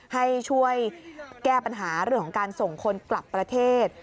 ให้ช่วยแก้ปัญหาเรื่องของการส่งคนกลับประเทศ